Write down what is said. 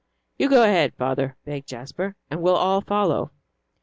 "You go ahead, father," begged Jasper, "and we'll all follow."